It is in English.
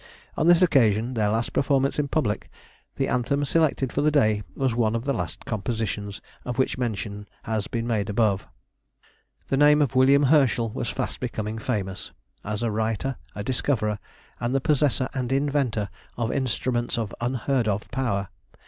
On this occasion, their last performance in public, the anthem selected for the day was one of the last compositions, of which mention has been made above. The name of William Herschel was fast becoming famous, as a writer, a discoverer, and the possessor and inventor of instruments of unheard of power.